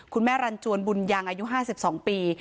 คุณแม่รันจวนบุญยังอายุ๕๒ปี